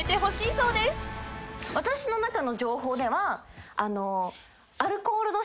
私の中の情報では。